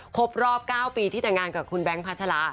ครบรอบ๙ปีที่แต่งงานกับคุณแบงค์พัชรา